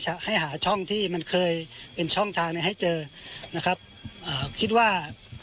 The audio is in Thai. ให้หาช่องที่มันเคยเป็นช่องทางเนี้ยให้เจอนะครับอ่าคิดว่า